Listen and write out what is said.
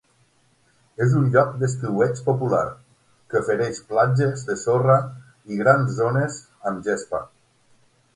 És un lloc d'estiueig popular que ofereix platges de sorra i grans zones amb gespa.